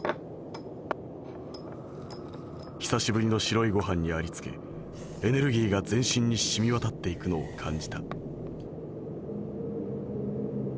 久しぶりの白いご飯にありつけエネルギーが全身にしみわたっていくのを感じた」。